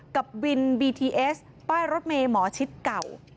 กับวินบีทีเอสป้ายรถเมย์หมอชิดเก่า